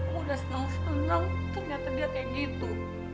mudah senang senang ternyata dia kayak gitu